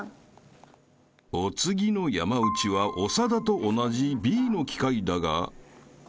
［お次の山内は長田と同じＢの機械だが］